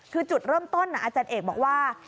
คือจุดเริ่มต้นอาจารย์เอกบอกว่า